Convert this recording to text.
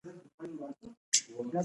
پښتانه باید د ژبې پر دودونو ویاړ وکړي.